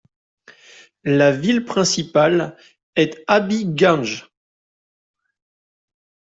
La ville principale est Habiganj.